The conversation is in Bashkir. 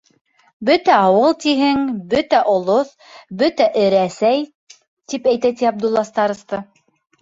— Бөтә ауыл тиһең, бөтә олоҫ, бөтә Эрәсәй, тип әйтә ти Абдулла староста.